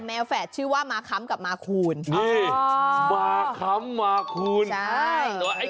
แฝดชื่อว่ามาค้ำกับมาคูณนี่มาค้ำมาคูณใช่